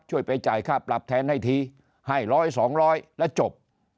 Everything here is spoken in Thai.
ไปจ่ายค่าปรับแทนให้ทีให้ร้อยสองร้อยแล้วจบ